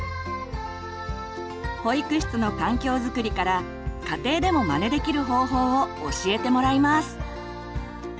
保育室の環境づくりから家庭でもまねできる方法を教えてもらいます。